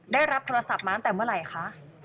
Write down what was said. ได้รับโทรศัพท์มาตั้งแต่เมื่อไหร่คะ